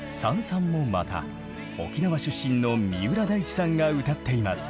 「燦燦」もまた沖縄出身の三浦大知さんが歌っています。